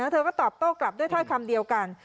เธอก็ตอบโต้กลับด้วยถ้อยคำเดียวกัน